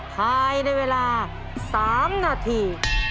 ภายในเวลา๓นาที